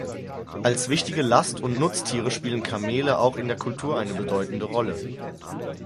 Als wichtige Last- und Nutztiere spielen Kamele auch in der Kultur eine bedeutende Rolle.